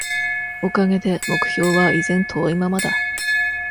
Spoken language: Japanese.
おかげで、目標は、依然遠いままだ。